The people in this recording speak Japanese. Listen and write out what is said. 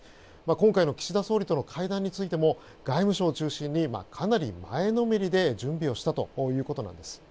今回の岸田総理との会談についても外務省を中心にかなり前のめりで準備をしたということなんです。